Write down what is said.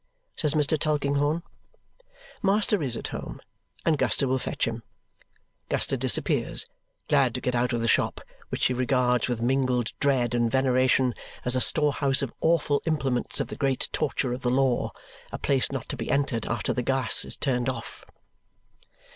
says Mr. Tulkinghorn. Master is at home, and Guster will fetch him. Guster disappears, glad to get out of the shop, which she regards with mingled dread and veneration as a storehouse of awful implements of the great torture of the law a place not to be entered after the gas is turned off.